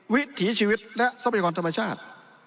วิถีชีวิตและทรัพยากรธรรมชาติ